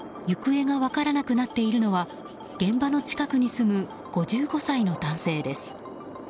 行方が分からなくなっているのは現場の近くに住む５５歳の男性です。